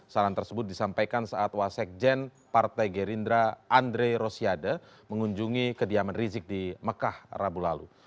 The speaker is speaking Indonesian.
saran tersebut disampaikan saat wasekjen partai gerindra andre rosiade mengunjungi kediaman rizik di mekah rabu lalu